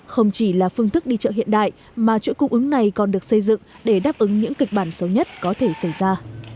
không chỉ là phương thức đi chợ hiện đại mà chuỗi cung ứng này còn được xây dựng để đáp ứng những kịch bản xấu nhất có thể xảy ra